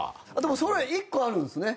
それ１個あるんすね。